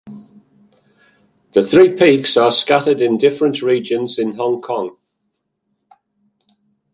The three peaks are scattered in different regions in Hong Kong.